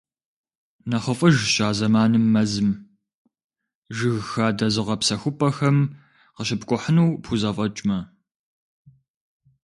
НэхъыфӀыжщ а зэманым мэзым, жыг хадэ зыгъэпсэхупӀэхэм къыщыпкӀухьыну пхузэфӀэкӀмэ.